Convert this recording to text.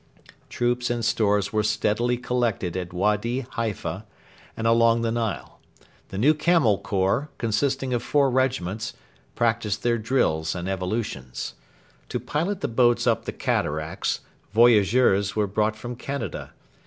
Troops and stores were steadily collected at Wady Halfa and along the Nile. The new Camel Corps, consisting of four regiments, practised their drills and evolutions. To pilot the boats up the Cataracts voyageurs were brought from Canada.